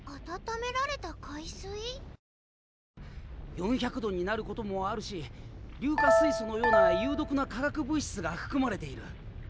４００度になることもあるし硫化水素のような有毒な化学物質が含まれている。